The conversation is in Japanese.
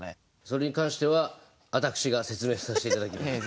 それに関してはあたくしが説明さしていただきます。